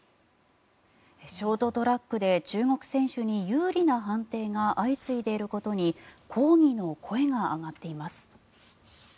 ショートトラックで中国選手に有利な判定が相次いでいることに抗議の声が上がっています。